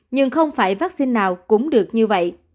nhưng không phải vaccine nào cũng được như vậy